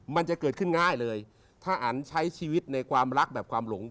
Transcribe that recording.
มันจะเกิดขึ้นง่ายเลยถ้าอันใช้ชีวิตในความรักแบบความหลง